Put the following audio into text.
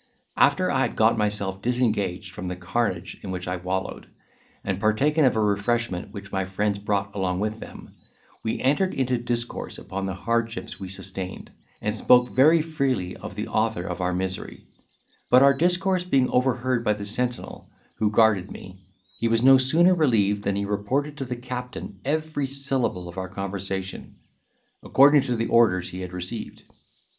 After I had got myself disengaged from the carnage in which I wallowed, and partaken of a refreshment which my friends brought along with them, we entered into discourse upon the hardships we sustained, and spoke very freely of the author of our misery; but our discourse being overheard by the sentinel who guarded me, he was no sooner relieved than he reported to the captain every syllable of our conversation, according to the orders he had received.